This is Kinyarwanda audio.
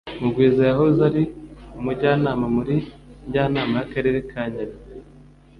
Mugwiza yahoze ari umujyanama muri Njyanama y’Akarere ka Nyabihu